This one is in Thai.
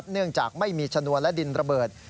เนื่องจากไม่มีชนวนและดินระเบิด